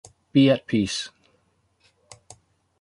Be at peace.